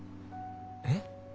えっ？